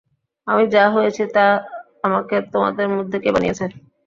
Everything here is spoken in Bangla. আমি যা হয়েছি তা আমাকে তোমাদের মধ্যে কে বানিয়েছে?